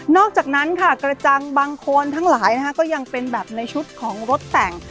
อกจากนั้นค่ะกระจังบางคนทั้งหลายก็ยังเป็นแบบในชุดของรถแต่ง